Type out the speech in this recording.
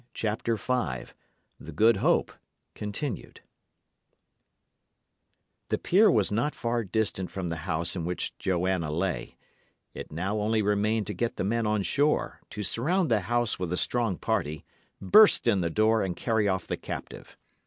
CHAPTER V THE GOOD HOPE (continued) The pier was not far distant from the house in which Joanna lay; it now only remained to get the men on shore, to surround the house with a strong party, burst in the door and carry off the captive.